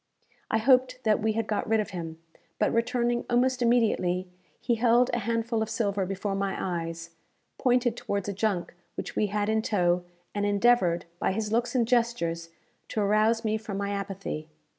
I hoped that we had got rid of him, but returning almost immediately, he held a handful of silver before my eyes, pointed towards a junk which we had in tow, and endeavoured, by his looks and gestures, to arouse me from my apathy.